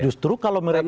justru kalau mereka